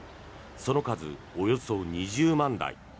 その数、およそ２０万台。